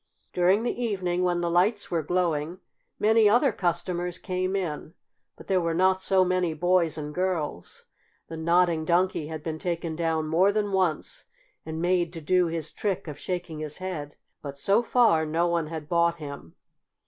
During the evening, when the lights were glowing, many other customers came in, but there were not so many boys and girls. The Nodding Donkey had been taken down more than once and made to do his trick of shaking his head, but, so far, no one had bought him.